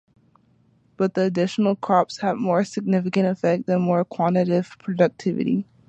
But the additional crops had a more significant effect than mere quantitative productivity.